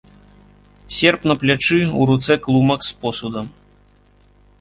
Серп на плячы, у руцэ клумак з посудам.